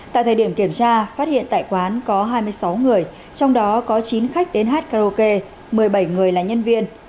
tại thời điểm kiểm tra phát hiện tại quán có hai mươi sáu người trong đó có chín khách đến hát karaoke một mươi bảy người là nhân viên